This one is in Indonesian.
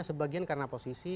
sebagian karena posisi